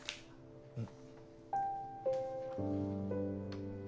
うん。